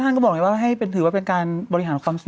ท่านก็บอกไงว่าให้ถือว่าเป็นการบริหารความสิท